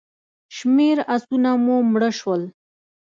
شمېر آسونه مو مړه شول.